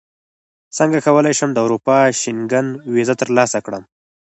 څنګه کولی شم د اروپا شینګن ویزه ترلاسه کړم